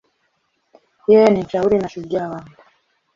Yeye ni mshauri na shujaa wangu.